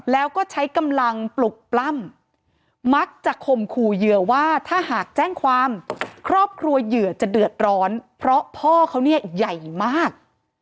แล้วก็ใช้กำลังปลุกปล้ำมักจะข่มขู่เหยื่อว่าถ้าหากแจ้งความครอบครัวเหยื่อจะเดือดร้อนเพราะพ่อเขาเนี่ยใหญ่มาก